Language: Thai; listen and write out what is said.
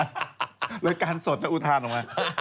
โรยากาลสดค่ะหัวอุทาหน่อย